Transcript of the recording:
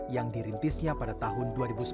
yang dirintisnya pada tahun dua ribu sepuluh